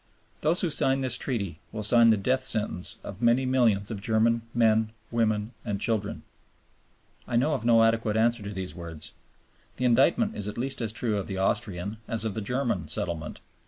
Those who sign this Treaty will sign the death sentence of many millions of German men, women and children." I know of no adequate answer to these words. The indictment is at least as true of the Austrian, as of the German, settlement.